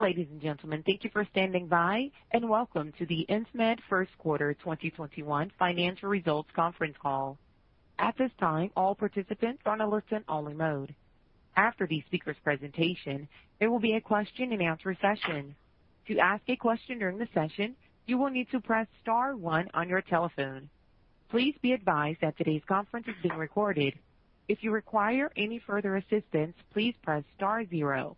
Ladies and gentlemen, thank you for standing by and welcome to the Insmed first quarter 2021 financial results conference call. At this time, all participants are on a listen-only mode. After the speaker's presentation, there will be a question and answer session. To ask a question during the session, you will need to press star one on your telephone. Please be advised that today's conference is being recorded. If you require any further assistance, please press star zero.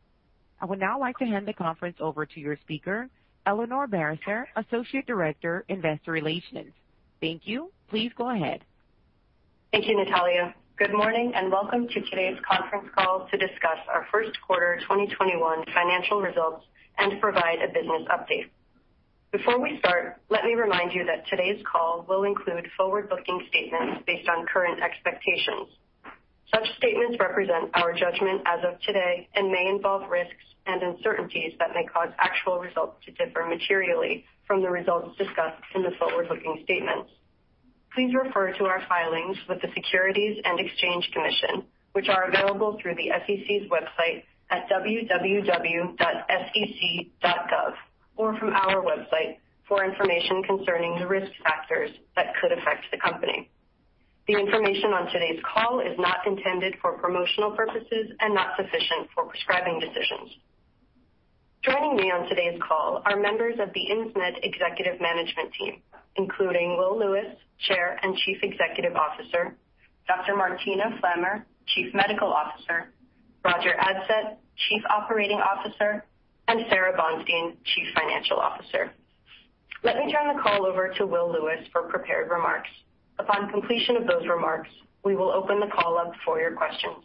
I would now like to hand the conference over to your speaker, Eleanor Barisser, Associate Director, Investor Relations. Thank you. Please go ahead. Thank you, Natalia. Good morning and welcome to today's conference call to discuss our first quarter 2021 financial results and provide a business update. Before we start, let me remind you that today's call will include forward-looking statements based on current expectations. Such statements represent our judgment as of today and may involve risks and uncertainties that may cause actual results to differ materially from the results discussed in the forward-looking statements. Please refer to our filings with the Securities and Exchange Commission, which are available through the SEC's website at www.sec.gov or from our website, for information concerning the risk factors that could affect the company. The information on today's call is not intended for promotional purposes and not sufficient for prescribing decisions. Joining me on today's call are members of the Insmed executive management team, including Will Lewis, Chair and Chief Executive Officer, Dr. Martina Flammer, Chief Medical Officer, Roger Adsett, Chief Operating Officer, and Sara Bonstein, Chief Financial Officer. Let me turn the call over to Will Lewis for prepared remarks. Upon completion of those remarks, we will open the call up for your questions.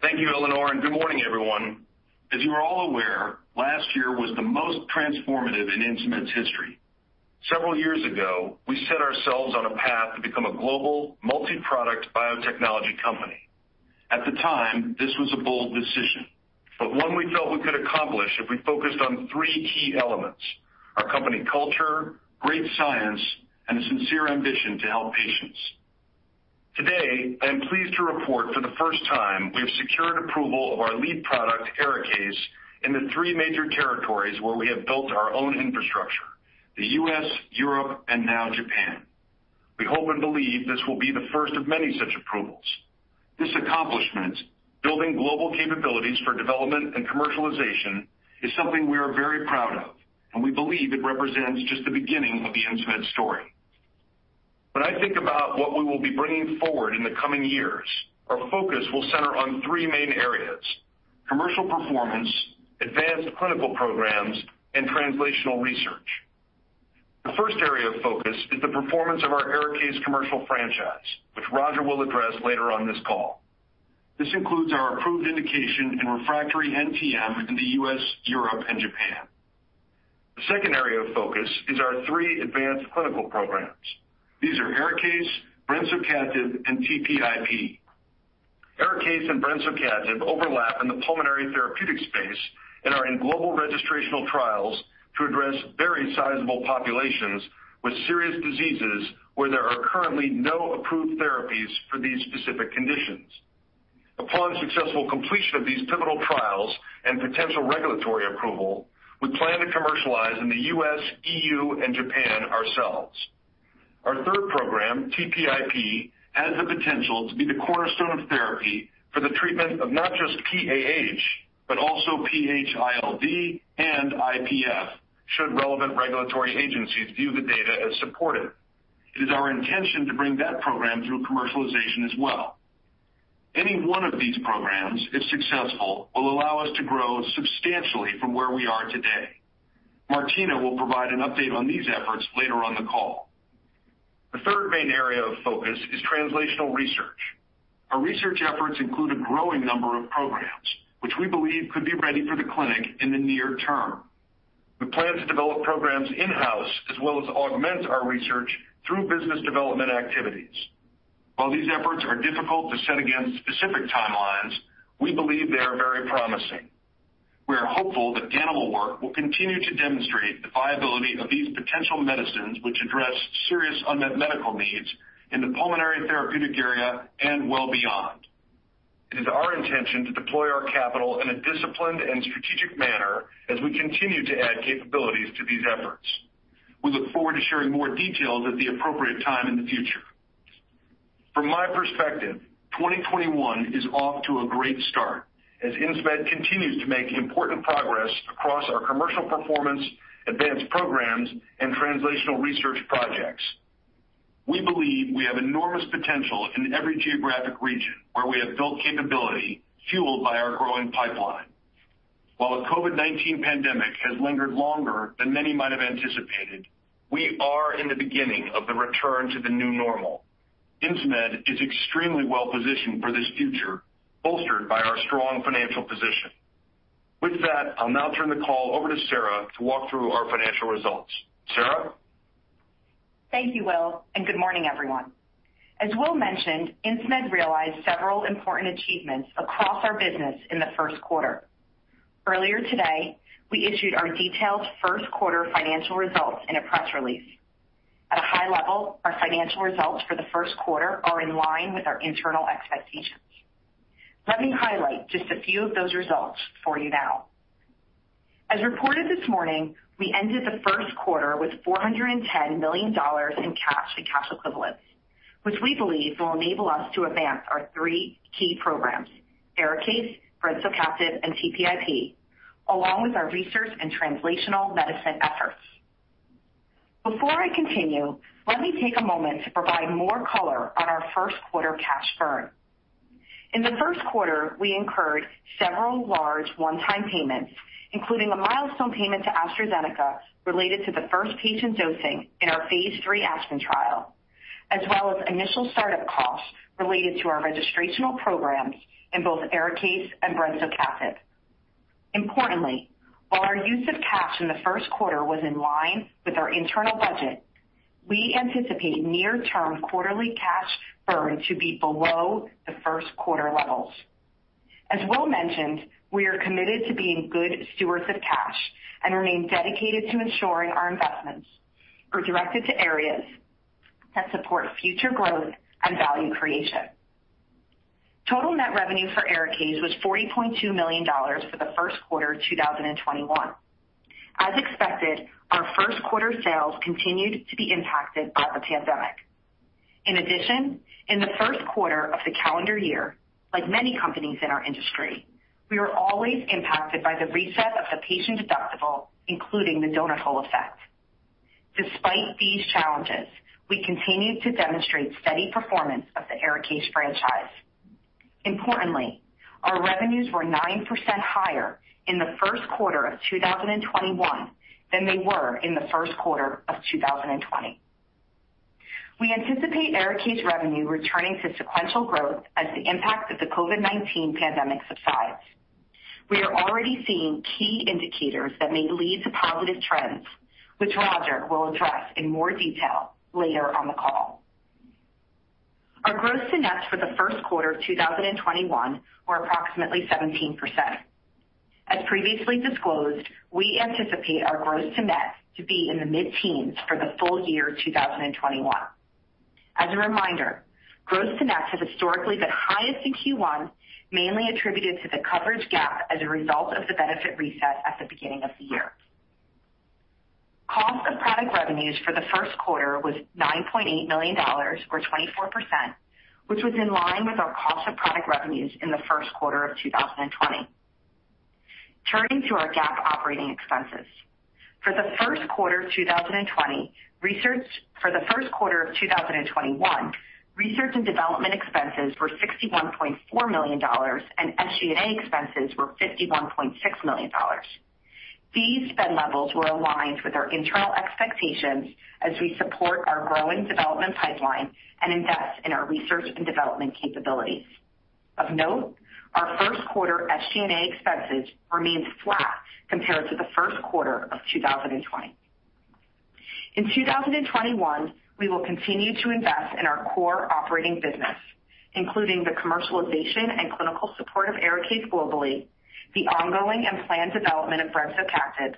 Thank you, Eleanor, and good morning, everyone. As you are all aware, last year was the most transformative in Insmed's history. Several years ago, we set ourselves on a path to become a global multi-product biotechnology company. At the time, this was a bold decision, but one we felt we could accomplish if we focused on three key elements: our company culture, great science, and a sincere ambition to help patients. Today, I am pleased to report for the first time we have secured approval of our lead product, ARIKAYCE, in the three major territories where we have built our own infrastructure, the U.S., Europe, and now Japan. We hope and believe this will be the first of many such approvals. This accomplishment, building global capabilities for development and commercialization, is something we are very proud of, and we believe it represents just the beginning of the Insmed story. When I think about what we will be bringing forward in the coming years, our focus will center on three main areas, commercial performance, advanced clinical programs, and translational research. The first area of focus is the performance of our ARIKAYCE commercial franchise, which Roger will address later on this call. This includes our approved indication in refractory NTM in the U.S., Europe, and Japan. The second area of focus is our three advanced clinical programs. These are ARIKAYCE, brensocatib, and TPIP. ARIKAYCE and brensocatib overlap in the pulmonary therapeutic space and are in global registrational trials to address very sizable populations with serious diseases where there are currently no approved therapies for these specific conditions. Upon successful completion of these pivotal trials and potential regulatory approval, we plan to commercialize in the U.S., EU, and Japan ourselves. Our third program, TPIP, has the potential to be the cornerstone of therapy for the treatment of not just PAH, but also PH-ILD and IPF, should relevant regulatory agencies view the data as supportive. It is our intention to bring that program through commercialization as well. Any one of these programs, if successful, will allow us to grow substantially from where we are today. Martina will provide an update on these efforts later on the call. The third main area of focus is translational research. Our research efforts include a growing number of programs, which we believe could be ready for the clinic in the near term. We plan to develop programs in-house, as well as augment our research through business development activities. While these efforts are difficult to set against specific timelines, we believe they are very promising. We are hopeful that animal work will continue to demonstrate the viability of these potential medicines, which address serious unmet medical needs in the pulmonary therapeutic area and well beyond. It is our intention to deploy our capital in a disciplined and strategic manner as we continue to add capabilities to these efforts. We look forward to sharing more details at the appropriate time in the future. From my perspective, 2021 is off to a great start as Insmed continues to make important progress across our commercial performance, advanced programs, and translational research projects. We believe we have enormous potential in every geographic region where we have built capability fueled by our growing pipeline. While the COVID-19 pandemic has lingered longer than many might have anticipated, we are in the beginning of the return to the new normal. Insmed is extremely well-positioned for this future, bolstered by our strong financial position. With that, I'll now turn the call over to Sara to walk through our financial results. Sara? Thank you, Will, and good morning, everyone. As Will mentioned, Insmed realized several important achievements across our business in the first quarter. Earlier today, we issued our detailed first quarter financial results in a press release. High level, our financial results for the first quarter are in line with our internal expectations. Let me highlight just a few of those results for you now. As reported this morning, we ended the first quarter with $410 million in cash and cash equivalents, which we believe will enable us to advance our three key programs, ARIKAYCE, brensocatib and TPIP, along with our research and translational medicine efforts. Before I continue, let me take a moment to provide more color on our first quarter cash burn. In the first quarter, we incurred several large one-time payments, including a milestone payment to AstraZeneca related to the first patient dosing in our Phase III ASPEN trial. As well as initial startup costs related to our registrational programs in both ARIKAYCE and brensocatib. Importantly, while our use of cash in the first quarter was in line with our internal budget, we anticipate near-term quarterly cash burn to be below the first quarter levels. As Will mentioned, we are committed to being good stewards of cash and remain dedicated to ensuring our investments are directed to areas that support future growth and value creation. Total net revenue for ARIKAYCE was $40.2 million for the first quarter 2021. As expected, our first quarter sales continued to be impacted by the pandemic. In addition, in the first quarter of the calendar year, like many companies in our industry, we are always impacted by the reset of the patient deductible, including the donut hole effect. Despite these challenges, we continued to demonstrate steady performance of the ARIKAYCE franchise. Importantly, our revenues were 9% higher in the first quarter of 2021 than they were in the first quarter of 2020. We anticipate ARIKAYCE revenue returning to sequential growth as the impact of the COVID-19 pandemic subsides. We are already seeing key indicators that may lead to positive trends, which Roger will address in more detail later on the call. Our gross to net for the first quarter of 2021 were approximately 17%. As previously disclosed, we anticipate our gross to net to be in the mid-teens for the full year 2021. As a reminder, gross to net has historically been highest in Q1, mainly attributed to the coverage gap as a result of the benefit reset at the beginning of the year. Cost of product revenues for the first quarter was $9.8 million, or 24%, which was in line with our cost of product revenues in the first quarter of 2020. Turning to our GAAP operating expenses. For the first quarter of 2021, research and development expenses were $61.4 million, and SG&A expenses were $51.6 million. These spend levels were aligned with our internal expectations as we support our growing development pipeline and invest in our research and development capabilities. Of note, our first quarter SG&A expenses remains flat compared to the first quarter of 2020. In 2021, we will continue to invest in our core operating business, including the commercialization and clinical support of ARIKAYCE globally, the ongoing and planned development of brensocatib,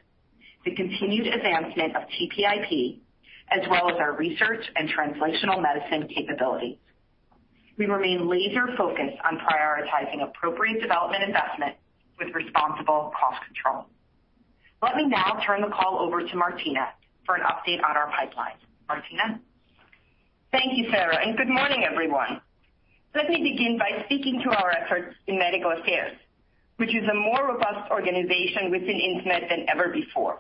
the continued advancement of TPIP, as well as our research and translational medicine capabilities. We remain laser-focused on prioritizing appropriate development investment with responsible cost control. Let me now turn the call over to Martina for an update on our pipeline. Martina? Thank you, Sara, and good morning, everyone. Let me begin by speaking to our efforts in medical affairs, which is a more robust organization within Insmed than ever before,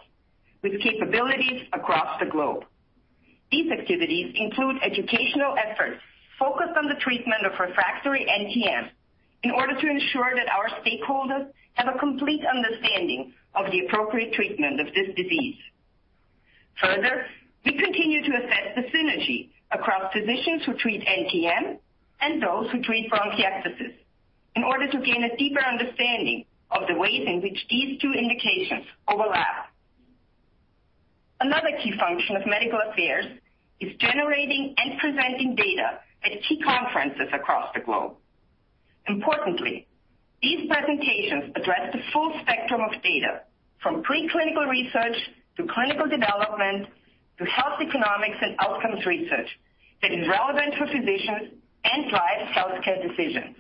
with capabilities across the globe. These activities include educational efforts focused on the treatment of refractory NTM in order to ensure that our stakeholders have a complete understanding of the appropriate treatment of this disease. Further, we continue to assess the synergy across physicians who treat NTM and those who treat bronchiectasis in order to gain a deeper understanding of the ways in which these two indications overlap. Another key function of medical affairs is generating and presenting data at key conferences across the globe. Importantly, these presentations address the full spectrum of data, from preclinical research, to clinical development, to health economics and outcomes research that is relevant for physicians and drives healthcare decisions.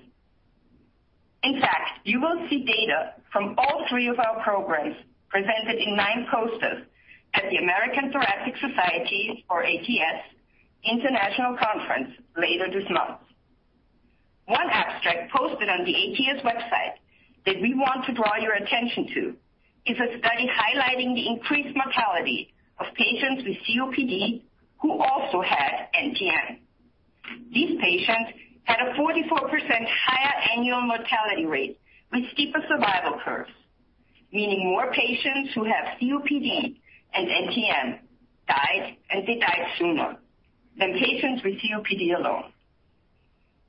You will see data from all three of our programs presented in nine posters at the American Thoracic Society's, or ATS, International Conference later this month. One abstract posted on the ATS website that we want to draw your attention to is a study highlighting the increased mortality of patients with COPD who also had NTM. These patients had a 44% higher annual mortality rate with steeper survival curves, meaning more patients who have COPD and NTM died, and they died sooner than patients with COPD alone.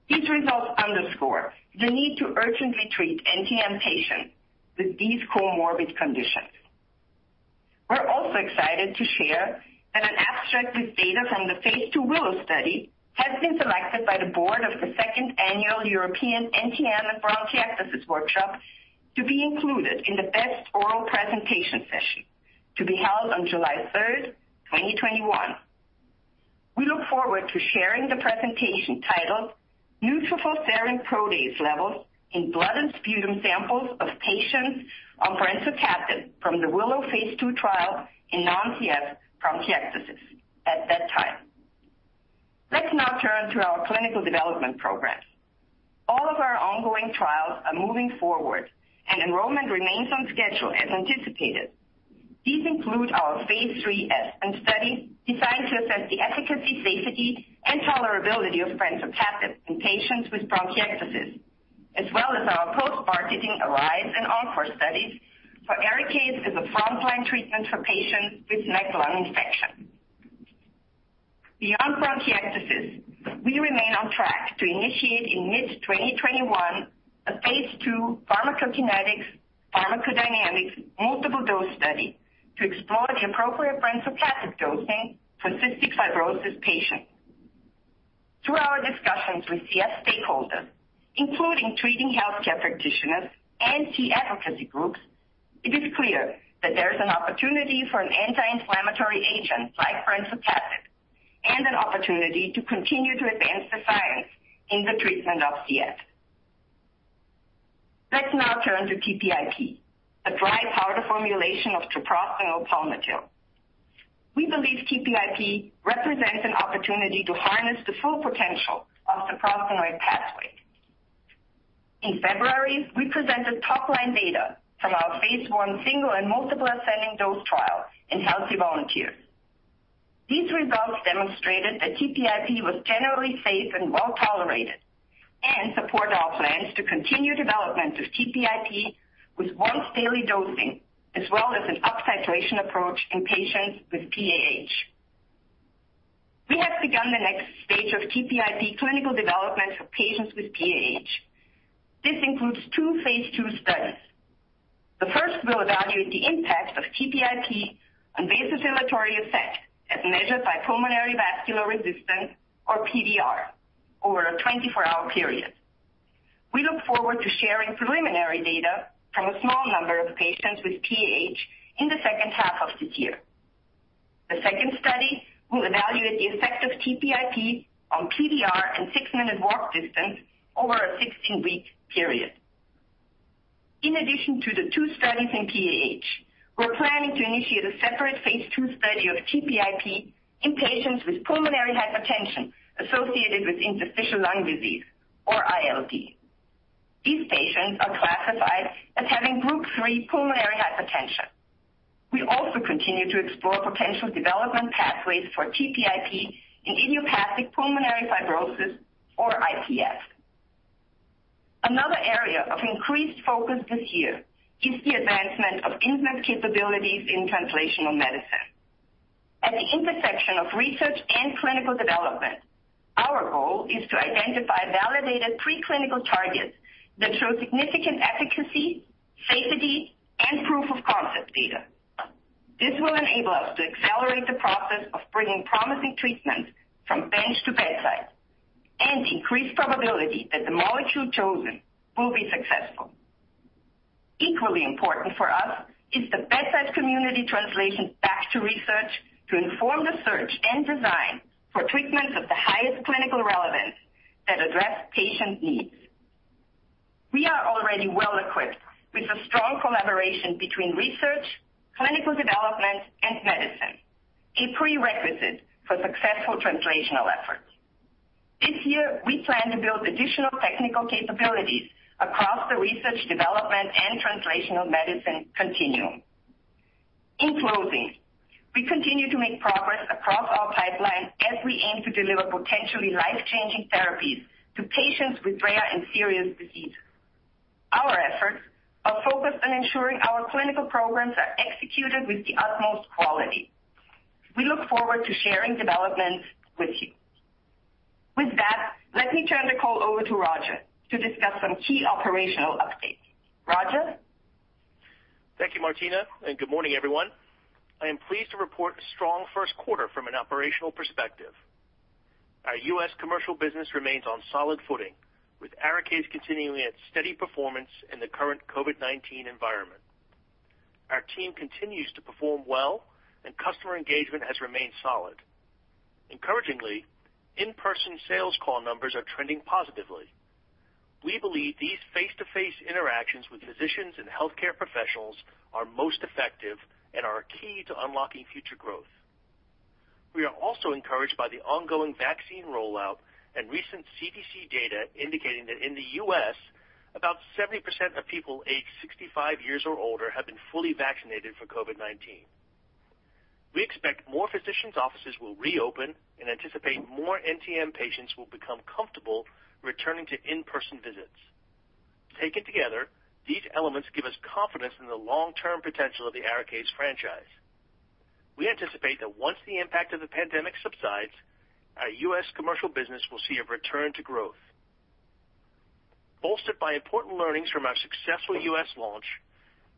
These results underscore the need to urgently treat NTM patients with these comorbid conditions. We're also excited to share that an abstract with data from the Phase II WILLOW study has been selected by the board of the 2nd Annual European NTM and Bronchiectasis Workshop to be included in the best oral presentation session, to be held on July 3rd, 2021. We look forward to sharing the presentation titled, "Neutrophil Serine Protease Levels in Blood and Sputum Samples of Patients on brensocatib from the WILLOW Phase II Trial in non-CF bronchiectasis," at that time. Let's now turn to our clinical development program. All of our ongoing trials are moving forward, and enrollment remains on schedule as anticipated. These include our Phase III ASPEN study, designed to assess the efficacy, safety, and tolerability of brensocatib in patients with bronchiectasis, as well as our post-marketing ARRIVE and ENCORE studies for ARIKAYCE as a frontline treatment for patients with MAC lung infection. Beyond bronchiectasis, we remain on track to initiate in mid-2021 a Phase II pharmacokinetics, pharmacodynamics multiple dose study to explore the appropriate brensocatib dosing for cystic fibrosis patients. Through our discussions with CF stakeholders, including treating healthcare practitioners and CF advocacy groups, it is clear that there's an opportunity for an anti-inflammatory agent, like brensocatib, and an opportunity to continue to advance the science in the treatment of CF. Let's now turn to TPIP, a dry powder formulation of treprostinil palmitil. We believe TPIP represents an opportunity to harness the full potential of the prostacyclin pathway. In February, we presented top-line data from our phase I single and multiple ascending dose trial in healthy volunteers. These results demonstrated that TPIP was generally safe and well-tolerated and support our plans to continue development of TPIP with once-daily dosing, as well as an uptitration approach in patients with PAH. We have begun the next stage of TPIP clinical development for patients with PAH. This includes two phase II studies. The first will evaluate the impact of TPIP on vasodilatory effect as measured by pulmonary vascular resistance, or PVR, over a 24-hour period. We look forward to sharing preliminary data from a small number of patients with PAH in the second half of this year. The second study will evaluate the effect of TPIP on PVR and six-minute walk distance over a 16-week period. In addition to the two studies in PAH, we're planning to initiate a separate Phase II study of TPIP in patients with pulmonary hypertension associated with interstitial lung disease, or ILD. These patients are classified as having Group 3 pulmonary hypertension. We also continue to explore potential development pathways for TPIP in idiopathic pulmonary fibrosis or IPF. Another area of increased focus this year is the advancement of Insmed's capabilities in translational medicine. At the intersection of research and clinical development, our goal is to identify validated preclinical targets that show significant efficacy, safety, and proof-of-concept data. This will enable us to accelerate the process of bringing promising treatments from bench to bedside and increase probability that the molecule chosen will be successful. Equally important for us is the bedside community translation back to research to inform the search and design for treatments of the highest clinical relevance that address patient needs. We are already well-equipped with a strong collaboration between research, clinical development, and medicine, a prerequisite for successful translational efforts. This year, we plan to build additional technical capabilities across the research, development, and translational medicine continuum. In closing, we continue to make progress across our pipeline as we aim to deliver potentially life-changing therapies to patients with rare and serious diseases. Our efforts are focused on ensuring our clinical programs are executed with the utmost quality. We look forward to sharing developments with you. With that, let me turn the call over to Roger to discuss some key operational updates. Roger? Thank you, Martina. Good morning, everyone. I am pleased to report a strong first quarter from an operational perspective. Our U.S. commercial business remains on solid footing, with ARIKAYCE continuing its steady performance in the current COVID-19 environment. Our team continues to perform well, and customer engagement has remained solid. Encouragingly, in-person sales call numbers are trending positively. We believe these face-to-face interactions with physicians and healthcare professionals are most effective and are key to unlocking future growth. We are also encouraged by the ongoing vaccine rollout and recent CDC data indicating that in the U.S., about 70% of people aged 65 years or older have been fully vaccinated for COVID-19. We expect more physicians' offices will reopen and anticipate more NTM patients will become comfortable returning to in-person visits. Taken together, these elements give us confidence in the long-term potential of the ARIKAYCE franchise. We anticipate that once the impact of the pandemic subsides, our U.S. commercial business will see a return to growth. Bolstered by important learnings from our successful U.S. launch,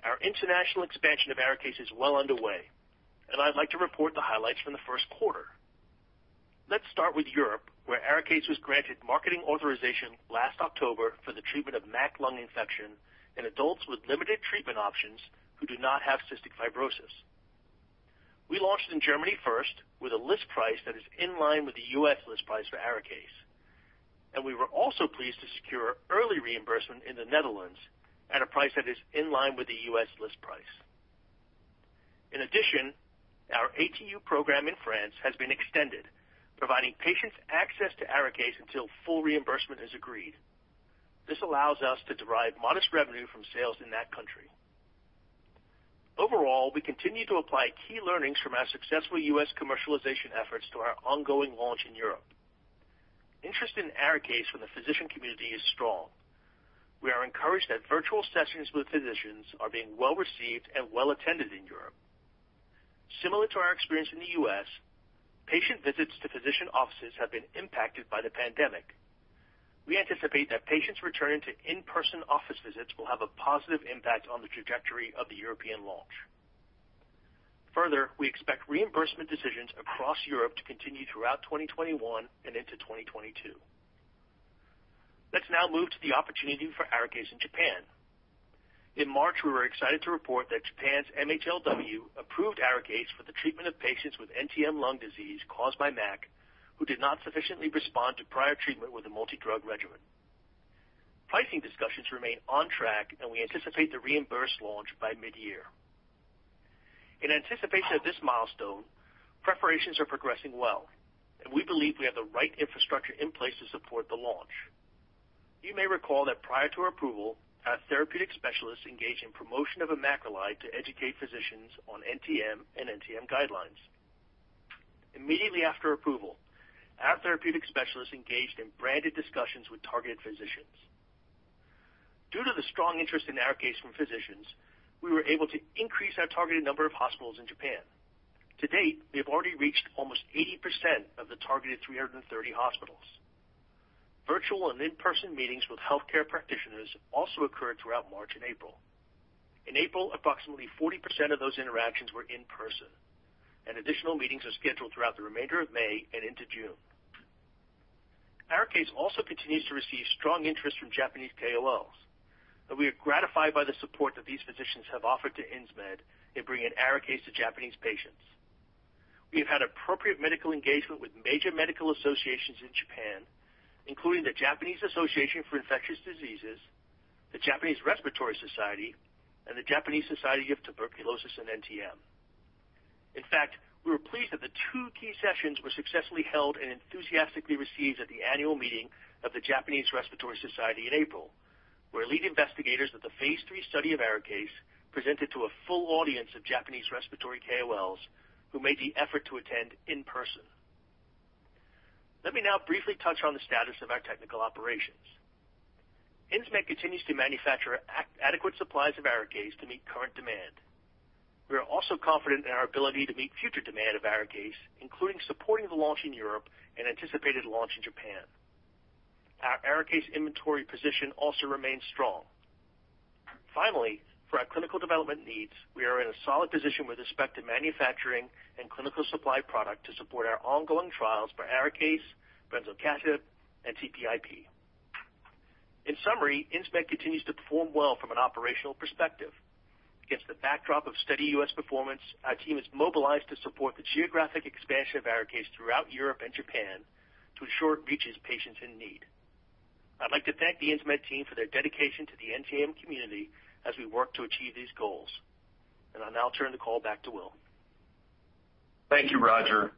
our international expansion of ARIKAYCE is well underway, and I'd like to report the highlights from the first quarter. Let's start with Europe, where ARIKAYCE was granted marketing authorization last October for the treatment of MAC lung infection in adults with limited treatment options who do not have cystic fibrosis. We launched in Germany first with a list price that is in line with the U.S. list price for ARIKAYCE, and we were also pleased to secure early reimbursement in the Netherlands at a price that is in line with the U.S. list price. In addition, our ATU program in France has been extended, providing patients access to ARIKAYCE until full reimbursement is agreed. This allows us to derive modest revenue from sales in that country. Overall, we continue to apply key learnings from our successful U.S. commercialization efforts to our ongoing launch in Europe. Interest in ARIKAYCE from the physician community is strong. We are encouraged that virtual sessions with physicians are being well received and well attended in Europe. Similar to our experience in the U.S., patient visits to physician offices have been impacted by the pandemic. We anticipate that patients returning to in-person office visits will have a positive impact on the trajectory of the European launch. Further, we expect reimbursement decisions across Europe to continue throughout 2021 and into 2022. Let's now move to the opportunity for ARIKAYCE in Japan. In March, we were excited to report that Japan's MHLW approved ARIKAYCE for the treatment of patients with NTM lung disease caused by MAC, who did not sufficiently respond to prior treatment with a multi-drug regimen. Pricing discussions remain on track, and we anticipate the reimbursed launch by mid-year. In anticipation of this milestone, preparations are progressing well, and we believe we have the right infrastructure in place to support the launch. You may recall that prior to our approval, our therapeutic specialists engaged in promotion of a macrolide to educate physicians on NTM and NTM guidelines. Immediately after approval, our therapeutic specialists engaged in branded discussions with targeted physicians. Due to the strong interest in ARIKAYCE from physicians, we were able to increase our targeted number of hospitals in Japan. To date, we have already reached almost 80% of the targeted 330 hospitals. Virtual and in-person meetings with healthcare practitioners also occurred throughout March and April. In April, approximately 40% of those interactions were in person, and additional meetings are scheduled throughout the remainder of May and into June. ARIKAYCE also continues to receive strong interest from Japanese KOLs, and we are gratified by the support that these physicians have offered to Insmed in bringing ARIKAYCE to Japanese patients. We have had appropriate medical engagement with major medical associations in Japan, including the Japanese Association for Infectious Diseases, the Japanese Respiratory Society, and the Japanese Society of Tuberculosis and NTM. In fact, we were pleased that the two key sessions were successfully held and enthusiastically received at the annual meeting of The Japanese Respiratory Society in April, where lead investigators of the phase III study of ARIKAYCE presented to a full audience of Japanese respiratory KOLs who made the effort to attend in person. Let me now briefly touch on the status of our technical operations. Insmed continues to manufacture adequate supplies of ARIKAYCE to meet current demand. We are also confident in our ability to meet future demand of ARIKAYCE, including supporting the launch in Europe and anticipated launch in Japan. Our ARIKAYCE inventory position also remains strong. Finally, for our clinical development needs, we are in a solid position with respect to manufacturing and clinical supply product to support our ongoing trials for ARIKAYCE, brensocatib, and TPIP. In summary, Insmed continues to perform well from an operational perspective. Against the backdrop of steady U.S. performance, our team has mobilized to support the geographic expansion of ARIKAYCE throughout Europe and Japan to ensure it reaches patients in need. I'd like to thank the Insmed team for their dedication to the NTM community as we work to achieve these goals. I'll now turn the call back to Will. Thank you, Roger.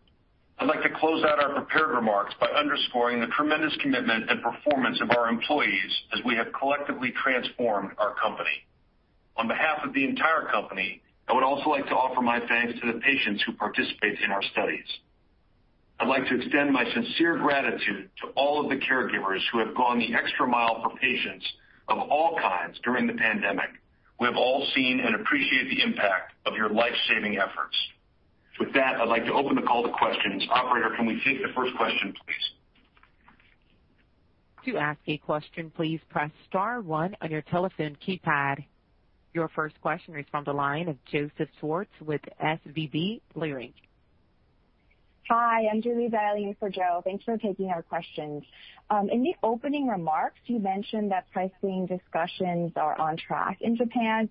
I'd like to close out our prepared remarks by underscoring the tremendous commitment and performance of our employees as we have collectively transformed our company. On behalf of the entire company, I would also like to offer my thanks to the patients who participate in our studies. I'd like to extend my sincere gratitude to all of the caregivers who have gone the extra mile for patients of all kinds during the pandemic. We have all seen and appreciate the impact of your life-saving efforts. With that, I'd like to open the call to questions. Operator, can we take the first question, please? Your first question is from the line of Joseph Schwartz with SVB Leerink. Hi, I'm Joori dialing in for Joe. Thanks for taking our questions. In the opening remarks, you mentioned that pricing discussions are on track in Japan.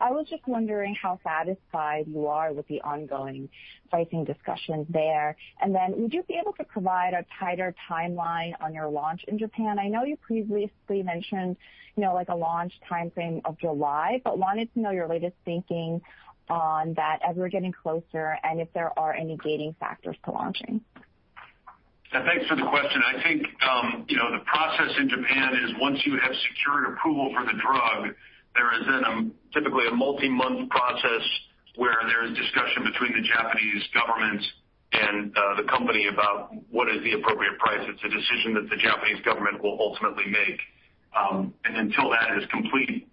I was just wondering how satisfied you are with the ongoing pricing discussions there. Would you be able to provide a tighter timeline on your launch in Japan? I know you previously mentioned a launch timeframe of July. Wanted to know your latest thinking on that as we're getting closer and if there are any gating factors to launching. Thanks for the question. I think the process in Japan is once you have secured approval for the drug, there is then typically a multi-month process where there is discussion between the Japanese government and the company about what is the appropriate price. It's a decision that the Japanese government will ultimately make. Until that is complete,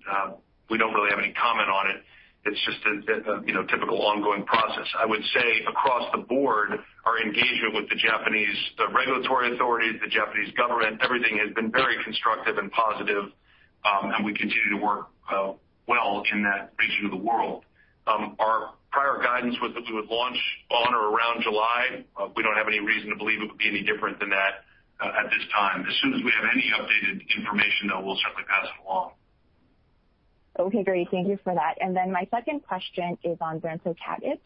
we don't really have any comment on it. It's just a typical ongoing process. I would say across the board, our engagement with the Japanese regulatory authorities, the Japanese government, everything has been very constructive and positive. We continue to work well in that region of the world. Our prior guidance was that we would launch on or around July. We don't have any reason to believe it would be any different than that at this time. As soon as we have any updated information, though, we'll certainly pass it along. Okay, great. Thank you for that. My second question is on brensocatib.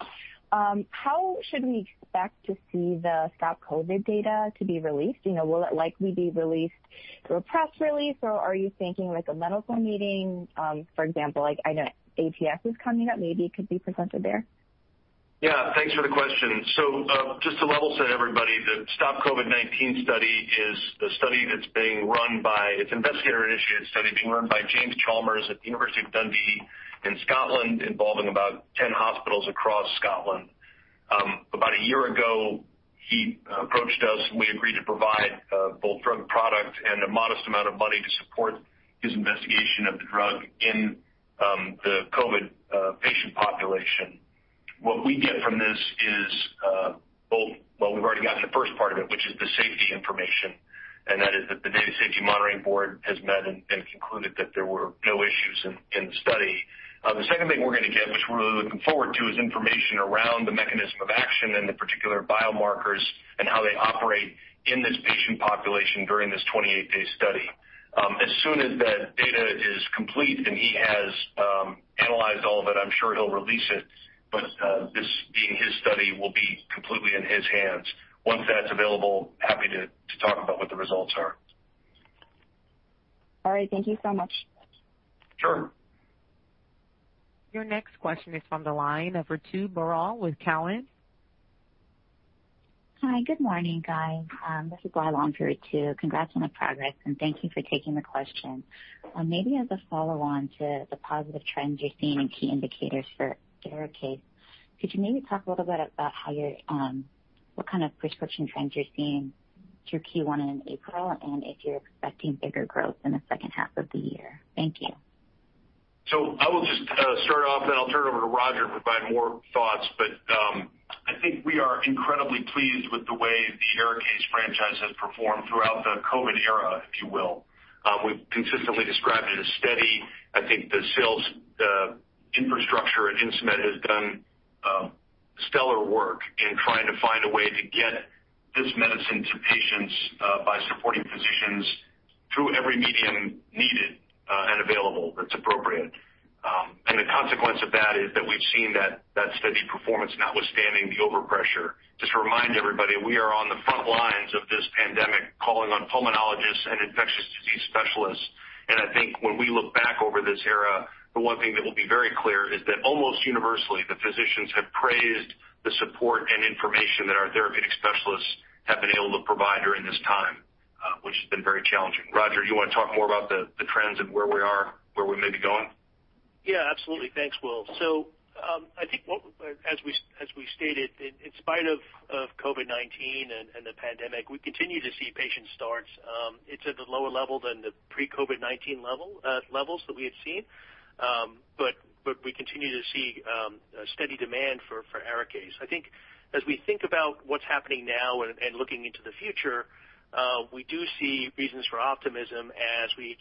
How should we expect to see the STOP COVID data to be released? Will it likely be released through a press release, or are you thinking like a medical meeting? For example, I know ATS is coming up. Maybe it could be presented there. Yeah, thanks for the question. Just to level set everybody, the STOP-COVID-19 study is the study that's being run by, it's an investigator-initiated study being run by James Chalmers at the University of Dundee in Scotland, involving about 10 hospitals across Scotland. About a year ago, he approached us, and we agreed to provide both drug product and a modest amount of money to support his investigation of the drug in the COVID-19 patient population. What we get from this is both... Well, we've already gotten the first part of it, which is the safety information, and that is that the data safety monitoring board has met and concluded that there were no issues in the study. The second thing we're going to get, which we're really looking forward to, is information around the mechanism of action and the particular biomarkers and how they operate in this patient population during this 28-day study. As soon as that data is complete and he has analyzed all of it, I'm sure he'll release it. This being his study, will be completely in his hands. Once that's available, happy to talk about what the results are. All right. Thank you so much. Sure. Your next question is from the line of Ritu Baral with Cowen. Hi. Good morning, guys. This is Lyla on for Ritu. Congrats on the progress, and thank you for taking the question. Maybe as a follow-on to the positive trends you're seeing in key indicators for ARIKAYCE, could you maybe talk a little bit about what kind of prescription trends you're seeing through Q1 and in April, and if you're expecting bigger growth in the second half of the year? Thank you. I will just start off, and then I'll turn it over to Roger to provide more thoughts. I think we are incredibly pleased with the way the ARIKAYCE franchise has performed throughout the COVID era, if you will. We've consistently described it as steady. I think the sales infrastructure at Insmed has done stellar work in trying to find a way to get this medicine to patients by supporting physicians through every medium needed and available that's appropriate. The consequence of that is that we've seen that steady performance notwithstanding the overpressure. Just to remind everybody, we are on the front lines of this pandemic calling on pulmonologists and infectious disease specialists. I think when we look back over this era, the one thing that will be very clear is that almost universally, the physicians have praised the support and information that our therapeutic specialists have been able to provide during this time, which has been very challenging. Roger, do you want to talk more about the trends and where we are, where we may be going? Yeah, absolutely. Thanks, Will. I think as we stated, in spite of COVID-19 and the pandemic, we continue to see patient starts. It's at a lower level than the pre-COVID-19 levels that we had seen, but we continue to see a steady demand for ARIKAYCE. I think as we think about what's happening now and looking into the future, we do see reasons for optimism as we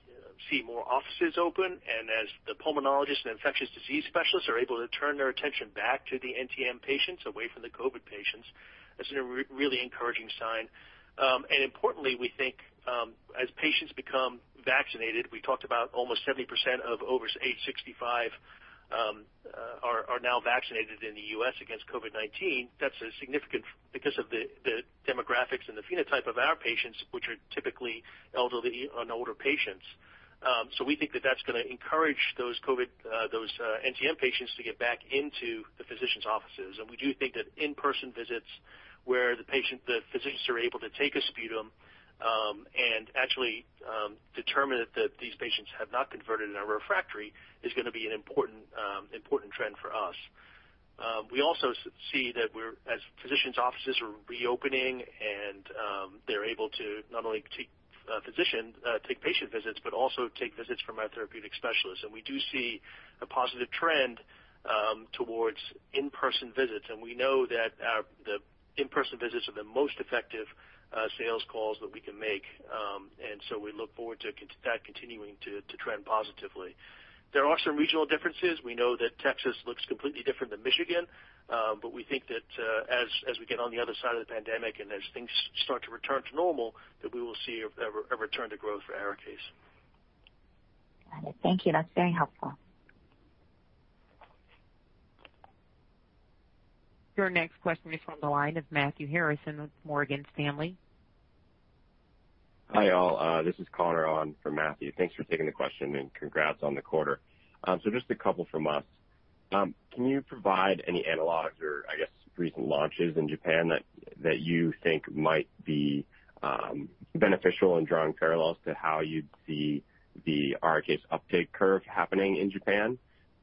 see more offices open and as the pulmonologists and infectious disease specialists are able to turn their attention back to the NTM patients away from the COVID patients. That's a really encouraging sign. Importantly, we think as patients become vaccinated, we talked about almost 70% of over age 65 are now vaccinated in the U.S. against COVID-19. That's significant because of the demographics and the phenotype of our patients, which are typically elderly and older patients. We think that that's going to encourage those NTM patients to get back into the physicians' offices. We do think that in-person visits where the physicians are able to take a sputum and actually determine that these patients have not converted and are refractory is going to be an important trend for us. We also see that as physicians' offices are reopening and they're able to not only take patient visits but also take visits from our therapeutic specialists. We do see a positive trend towards in-person visits. We know that the in-person visits are the most effective sales calls that we can make. We look forward to that continuing to trend positively. There are some regional differences. We know that Texas looks completely different than Michigan. We think that as we get on the other side of the pandemic and as things start to return to normal, that we will see a return to growth for ARIKAYCE. Got it. Thank you. That's very helpful. Your next question is from the line of Matthew Harrison with Morgan Stanley. Hi, all. This is Connor on for Matthew. Thanks for taking the question and congrats on the quarter. Just a couple from us. Can you provide any analogs or, I guess, recent launches in Japan that you think might be beneficial in drawing parallels to how you'd see the ARIKAYCE uptake curve happening in Japan?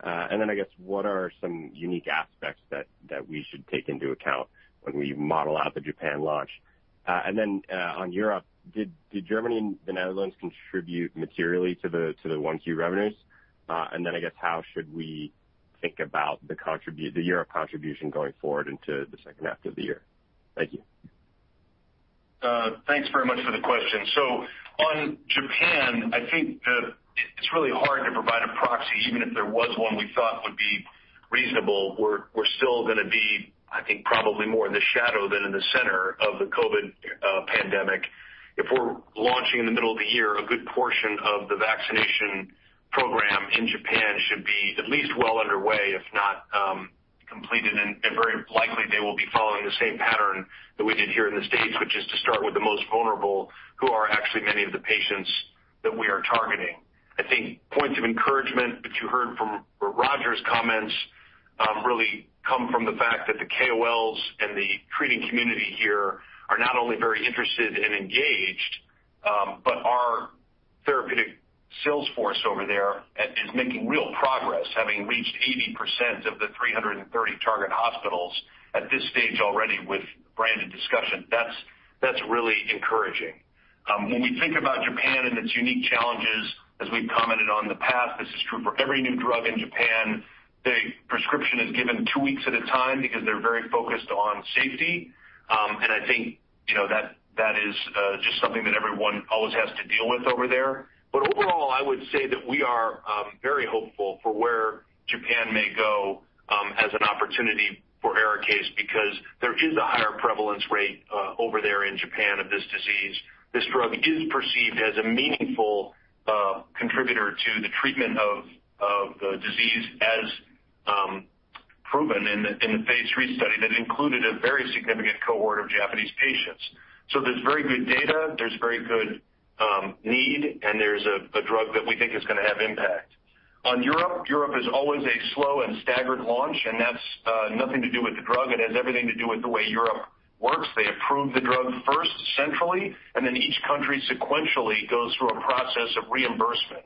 I guess, what are some unique aspects that we should take into account when we model out the Japan launch? On Europe, did Germany and the Netherlands contribute materially to the 1Q revenues? I guess how should we think about the Europe contribution going forward into the second half of the year? Thank you. Thanks very much for the question. On Japan, I think that it's really hard to provide a proxy. Even if there was one we thought would be reasonable, we're still going to be, I think, probably more in the shadow than in the center of the COVID pandemic. If we're launching in the middle of the year, a good portion of the vaccination program in Japan should be at least well underway, if not completed. Very likely, they will be following the same pattern that we did here in the U.S., which is to start with the most vulnerable, who are actually many of the patients that we are targeting. I think points of encouragement that you heard from Roger's comments really come from the fact that the KOLs and the treating community here are not only very interested and engaged, but our therapeutic sales force over there is making real progress, having reached 80% of the 330 target hospitals at this stage already with branded discussion. That's really encouraging. When we think about Japan and its unique challenges, as we've commented on in the past, this is true for every new drug in Japan, the prescription is given two weeks at a time because they're very focused on safety. I think that is just something that everyone always has to deal with over there. Overall, I would say that we are very hopeful for where Japan may go as an opportunity for ARIKAYCE, because there is a higher prevalence rate over there in Japan of this disease. This drug is perceived as a meaningful contributor to the treatment of the disease, as proven in the phase III study that included a very significant cohort of Japanese patients. There's very good data, there's very good need, and there's a drug that we think is going to have impact. On Europe is always a slow and staggered launch, and that's nothing to do with the drug. It has everything to do with the way Europe works. They approve the drug first centrally, and then each country sequentially goes through a process of reimbursement.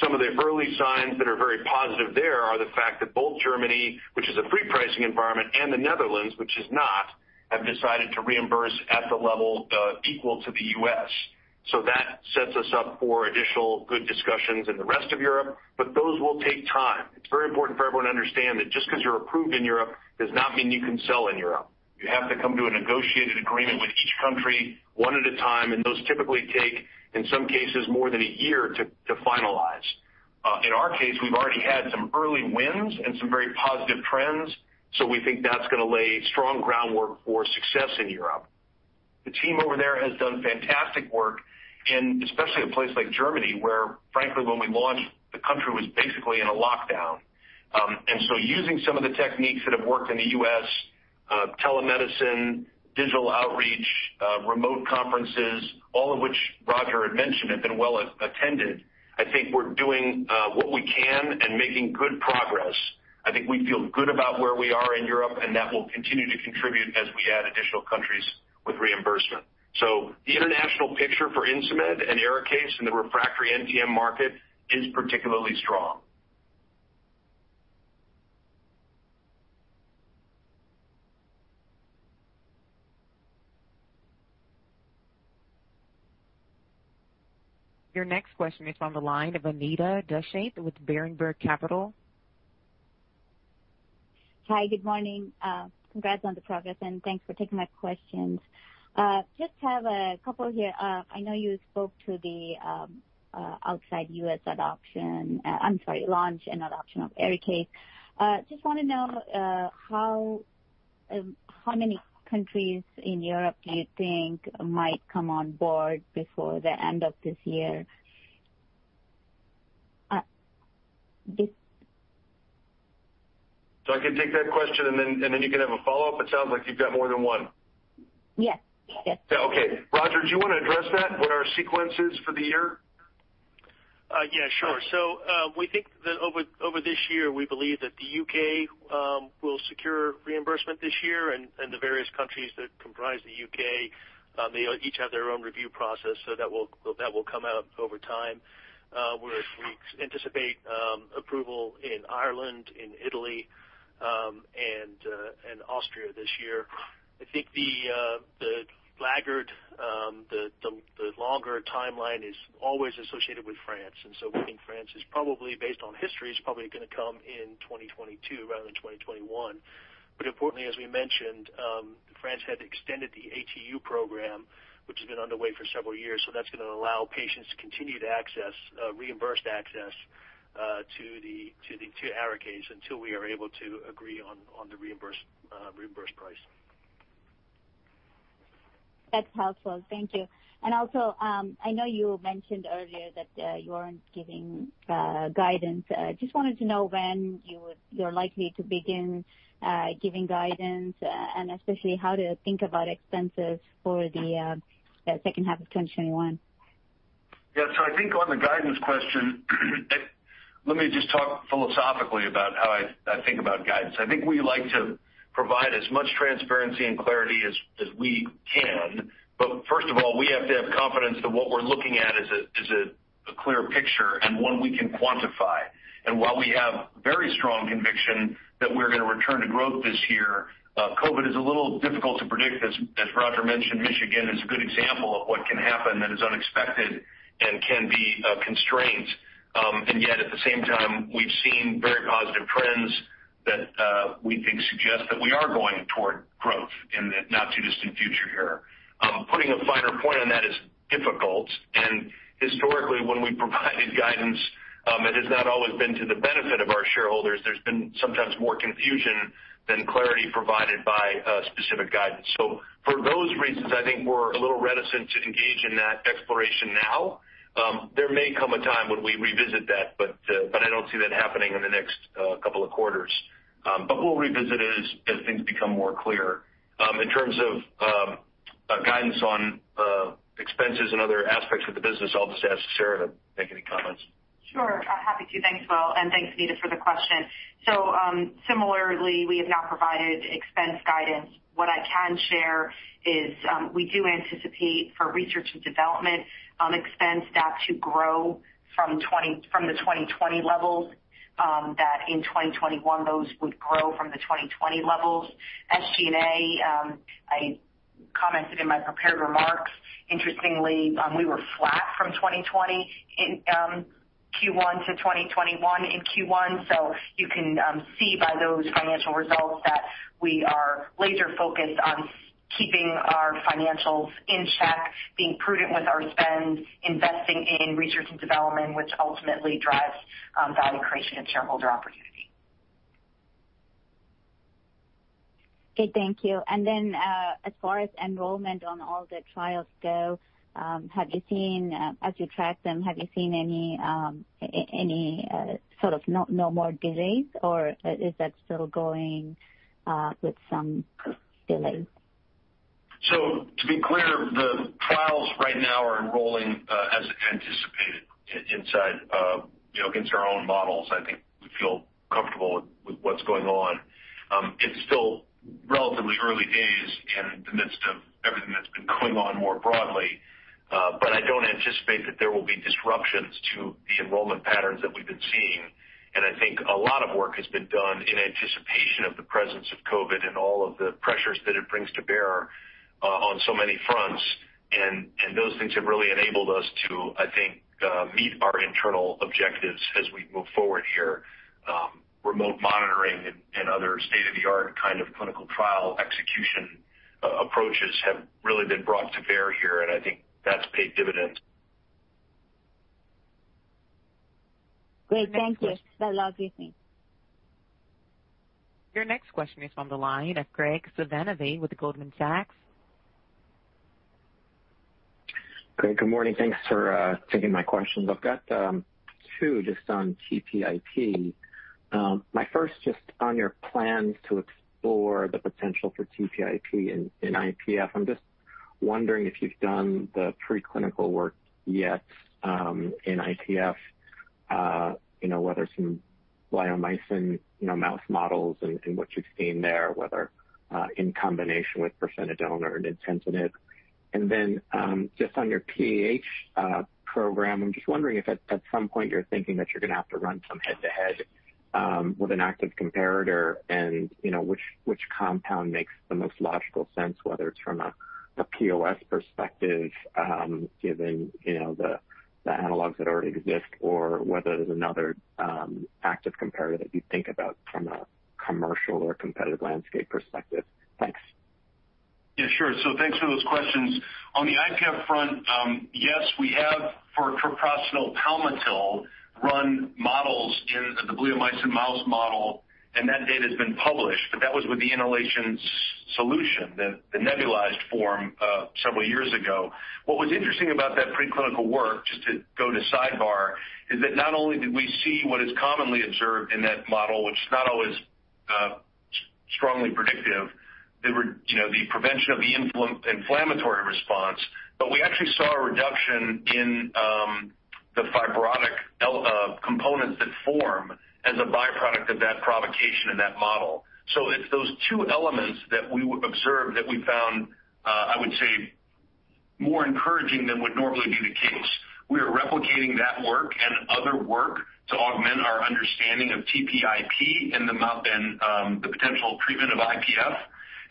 Some of the early signs that are very positive there are the fact that both Germany, which is a free pricing environment, and the Netherlands, which is not, have decided to reimburse at the level equal to the U.S. That sets us up for additional good discussions in the rest of Europe, but those will take time. It's very important for everyone to understand that just because you're approved in Europe does not mean you can sell in Europe. You have to come to a negotiated agreement with each country one at a time, and those typically take, in some cases, more than a year to finalize. In our case, we've already had some early wins and some very positive trends, so we think that's going to lay strong groundwork for success in Europe. The team over there has done fantastic work in especially a place like Germany, where frankly when we launched, the country was basically in a lockdown. Using some of the techniques that have worked in the U.S., telemedicine, digital outreach, remote conferences, all of which Roger had mentioned have been well attended. I think we're doing what we can and making good progress. I think we feel good about where we are in Europe, and that will continue to contribute as we add additional countries with reimbursement. The international picture for Insmed and ARIKAYCE in the refractory NTM market is particularly strong. Your next question is on the line of Anita Dushyanth with Berenberg Capital. Hi, good morning. Congrats on the progress and thanks for taking my questions. Just have a couple here. I know you spoke to the outside U.S. launch and adoption of ARIKAYCE. Just want to know how many countries in Europe do you think might come on board before the end of this year? I can take that question and then you can have a follow-up? It sounds like you've got more than one. Yes. Okay. Roger, do you want to address that, what our sequence is for the year? Yeah, sure. We think that over this year, we believe that the U.K. will secure reimbursement this year and the various countries that comprise the U.K., they each have their own review process, that will come out over time. Whereas we anticipate approval in Ireland, in Italy, and Austria this year. I think the laggard, the longer timeline is always associated with France. We think France is probably based on history, is probably going to come in 2022 rather than 2021. Importantly, as we mentioned, France had extended the ATU program, which has been underway for several years. That's going to allow patients to continue to access, reimbursed access, to ARIKAYCE until we are able to agree on the reimbursed price. That's helpful. Thank you. Also, I know you mentioned earlier that you aren't giving guidance. Just wanted to know when you're likely to begin giving guidance and especially how to think about expenses for the second half of 2021. Yeah. I think on the guidance question, let me just talk philosophically about how I think about guidance. I think we like to provide as much transparency and clarity as we can. First of all, we have to have confidence that what we're looking at is a clear picture and one we can quantify. While we have very strong conviction that we're going to return to growth this year, COVID is a little difficult to predict. As Roger mentioned, Michigan is a good example of what can happen that is unexpected and can be a constraint. Yet, at the same time, we've seen very positive trends that we think suggest that we are going toward growth in the not-too-distant future here. Putting a finer point on that is difficult, and historically, when we provided guidance, it has not always been to the benefit of our shareholders. There's been sometimes more confusion than clarity provided by specific guidance. For those reasons, I think we're a little reticent to engage in that exploration now. There may come a time when we revisit that, but I don't see that happening in the next couple of quarters. We'll revisit it as things become more clear. In terms of guidance on expenses and other aspects of the business, I'll just ask Sara to make any comments. Sure. Happy to. Thanks, Will, and thanks, Anita, for the question. Similarly, we have not provided expense guidance. What I can share is we do anticipate for research and development expense that to grow from the 2020 levels, that in 2021, those would grow from the 2020 levels. SG&A, I commented in my prepared remarks, interestingly, we were flat from 2020 in Q1 to 2021 in Q1. You can see by those financial results that we are laser-focused on keeping our financials in check, being prudent with our spend, investing in research and development, which ultimately drives value creation and shareholder opportunity. Okay. Thank you. As far as enrollment on all the trials go, as you track them, have you seen any no more delays, or is that still going with some delays? To be clear, the trials right now are enrolling as anticipated inside against our own models. I think we feel comfortable with what's going on. It's still relatively early days in the midst of everything that's been going on more broadly. I don't anticipate that there will be disruptions to the enrollment patterns that we've been seeing. I think a lot of work has been done in anticipation of the presence of COVID-19 and all of the pressures that it brings to bear on so many fronts. Those things have really enabled us to, I think, meet our internal objectives as we move forward here. Remote monitoring and other state-of-the-art clinical trial execution approaches have really been brought to bear here, and I think that's paid dividends. Great. Thank you. That was everything. Your next question is from the line of Graig Suvannavejh with Goldman Sachs. Graig, good morning. Thanks for taking my questions. I've got two just on TPIP. My first just on your plans to explore the potential for TPIP in IPF. I'm just wondering if you've done the preclinical work yet in IPF, whether some bleomycin mouse models and what you've seen there, whether in combination with pirfenidone or an nintedanib. Then just on your PAH program, I'm just wondering if at some point you're thinking that you're going to have to run some head-to-head with an active comparator and which compound makes the most logical sense, whether it's from a POS perspective given the analogs that already exist or whether there's another active comparator that you think about from a commercial or competitive landscape perspective. Thanks. Yeah, sure. Thanks for those questions. On the IPF front, yes, we have for treprostinil palmitil run models in the bleomycin mouse model, and that data has been published. That was with the inhalation solution, the nebulized form several years ago. What was interesting about that preclinical work, just to go to sidebar, is that not only did we see what is commonly observed in that model, which is not always strongly predictive, the prevention of the inflammatory response, but we actually saw a reduction in the fibrotic components that form as a byproduct of that provocation in that model. It's those two elements that we observed that we found, I would say, more encouraging than would normally be the case. We are replicating that work and other work to augment our understanding of TPIP and the potential treatment of IPF.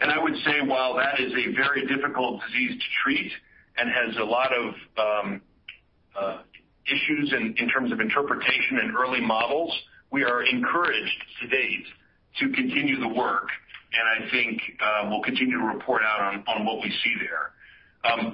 I would say while that is a very difficult disease to treat and has a lot of issues in terms of interpretation in early models, we are encouraged to date to continue the work, and I think we'll continue to report out on what we see there.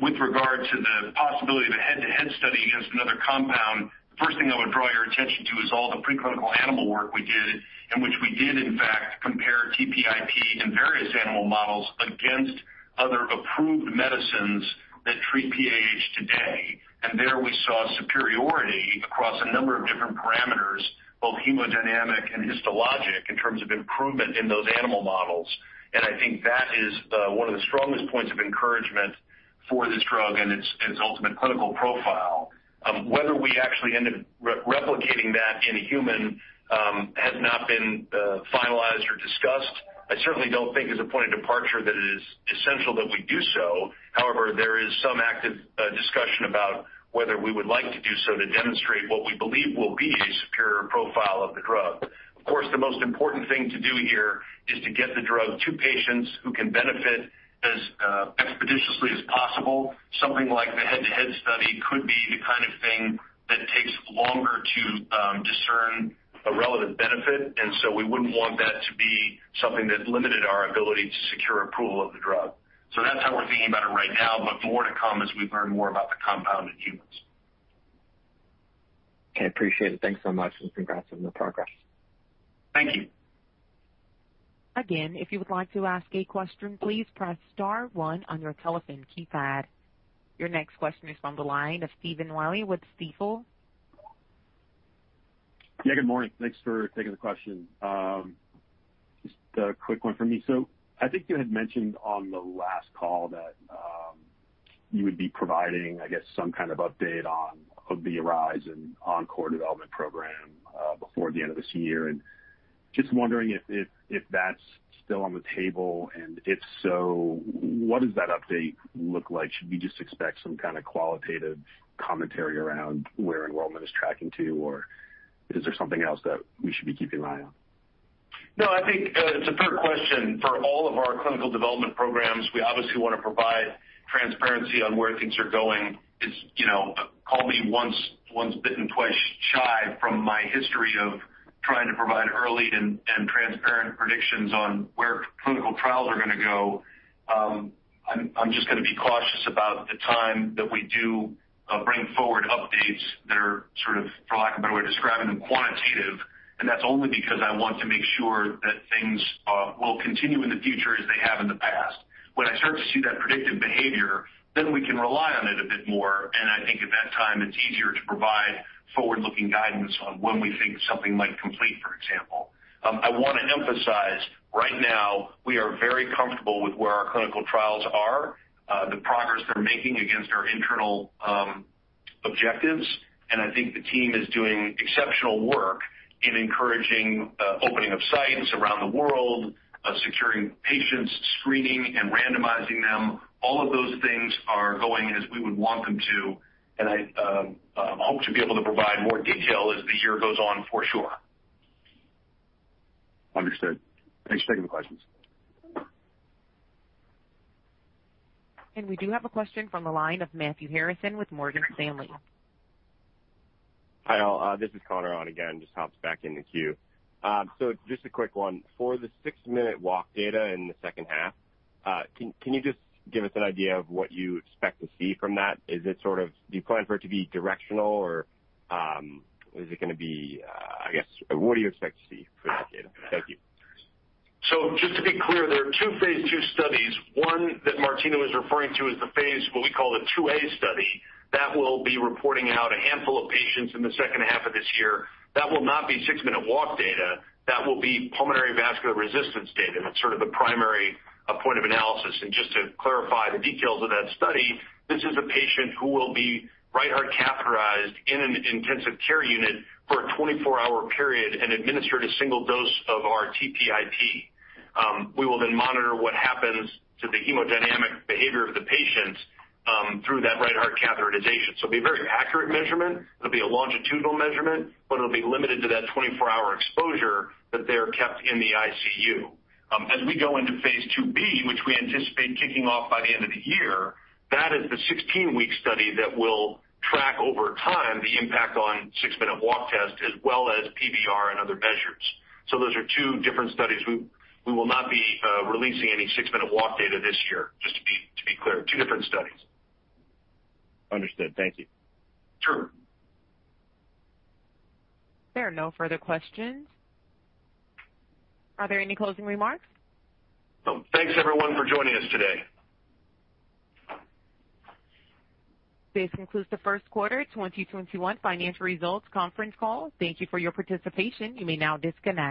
With regard to the possibility of a head-to-head study against another compound, the first thing I would draw your attention to is all the preclinical animal work we did in which we did, in fact, compare TPIP in various animal models against other approved medicines that treat PAH today. There we saw superiority across a number of different parameters, both hemodynamic and histologic, in terms of improvement in those animal models. I think that is one of the strongest points of encouragement for this drug and its ultimate clinical profile. Whether we actually end up replicating that in a human has not been finalized or discussed. I certainly don't think as a point of departure that it is essential that we do so. However, there is some active discussion about whether we would like to do so to demonstrate what we believe will be a superior profile of the drug. Of course, the most important thing to do here is to get the drug to patients who can benefit as expeditiously as possible. Something like the head-to-head study could be the kind of thing that takes longer to discern the benefit, and so we wouldn't want that to be something that limited our ability to secure approval of the drug. That's how we're thinking about it right now, but more to come as we learn more about the compound in humans. Okay, appreciate it. Thanks so much. Congrats on the progress. Thank you. Again, if you would like to ask a question, please press star one on your telephone keypad. Your next question is from the line of Stephen Willey with Stifel. Yeah, good morning. Thanks for taking the question. Just a quick one from me. I think you had mentioned on the last call that you would be providing, I guess, some kind of update on the ARISE and ENCORE development program before the end of this year, and just wondering if that's still on the table, and if so, what does that update look like? Should we just expect some kind of qualitative commentary around where enrollment is tracking to, or is there something else that we should be keeping an eye on? No, I think it's a fair question. For all of our clinical development programs, we obviously want to provide transparency on where things are going. Call me once bitten, twice shy from my history of trying to provide early and transparent predictions on where clinical trials are going to go. I'm just going to be cautious about the time that we do bring forward updates that are sort of, for lack of a better way of describing them, quantitative, and that's only because I want to make sure that things will continue in the future as they have in the past. When I start to see that predictive behavior, then we can rely on it a bit more, and I think at that time, it's easier to provide forward-looking guidance on when we think something might complete, for example. I want to emphasize, right now, we are very comfortable with where our clinical trials are, the progress they're making against our internal objectives. I think the team is doing exceptional work in encouraging opening of sites around the world, securing patients, screening, and randomizing them. All of those things are going as we would want them to, and I hope to be able to provide more detail as the year goes on for sure. Understood. Thanks for taking the questions. We do have a question from the line of Matthew Harrison with Morgan Stanley. Hi all. This is Connor on again, just hopped back in the queue. Just a quick one. For the six-minute walk data in the second half, can you just give us an idea of what you expect to see from that? Do you plan for it to be directional, or I guess, what do you expect to see for that data? Thank you. Just to be clear, there are two phase II studies. One that Martina is referring to is the phase, what we call the 2A study. That will be reporting out a handful of patients in the second half of this year. That will not be six-minute walk data. That will be pulmonary vascular resistance data. That's sort of the primary point of analysis. Just to clarify the details of that study, this is a patient who will be right heart catheterized in an ICU for a 24-hour period and administered a single dose of our TPIP. We will monitor what happens to the hemodynamic behavior of the patient through that right heart catheterization. It'll be a very accurate measurement. It'll be a longitudinal measurement, it'll be limited to that 24-hour exposure that they're kept in the ICU. As we go into phase II-B, which we anticipate kicking off by the end of the year, that is the 16-week study that will track over time the impact on six-minute walk test as well as PVR and other measures. Those are two different studies. We will not be releasing any six-minute walk data this year, just to be clear. Two different studies. Understood. Thank you. Sure. There are no further questions. Are there any closing remarks? Thanks everyone for joining us today. This concludes the first quarter 2021 financial results conference call. Thank you for your participation. You may now disconnect.